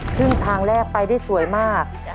ครึ่งทางแรกไปได้สวยมาก